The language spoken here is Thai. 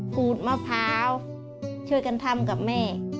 ขูดมะพร้าวช่วยกันทำกับแม่